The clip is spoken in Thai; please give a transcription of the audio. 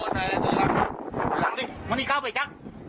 ถอยหลังดิวะนี่เข้าไปจ๊ะ